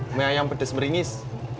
emi ayam pedes meringis